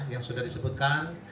yang sudah disebutkan